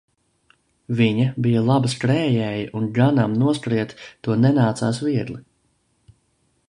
Viņa bija laba skrējēja un ganam noskriet to nenācās viegli.